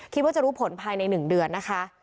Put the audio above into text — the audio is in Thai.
คิดว่าจะรู้ผลภายใน๑เดือนนะคะ